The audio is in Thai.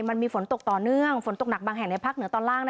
มันมีฝนตกต่อเนื่องฝนตกหนักบางแห่งในภาคเหนือตอนล่าง